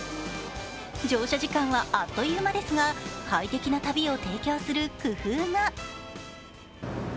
乗車時間はあっという間ですが、快適な旅を提供する工夫が。